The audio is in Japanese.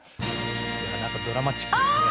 いや何かドラマチックですね。